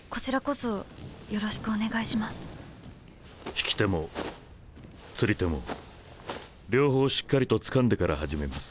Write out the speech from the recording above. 引き手も釣り手も両方しっかりとつかんでから始めます。